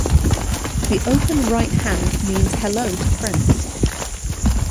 The open right hand means Hello to friends!